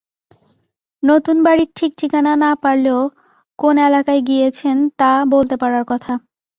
নতুন বাড়ির ঠিক ঠিকানা না পারলেও, কোন এলাকায় গিয়েছেন তা বলতে পারার কথা!